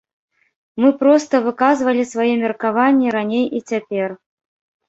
Мы проста выказвалі свае меркаванні раней і цяпер.